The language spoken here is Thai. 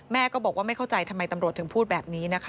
แม่ก็บอกว่าไม่เข้าใจทำไมตำรวจถึงพูดแบบนี้นะคะ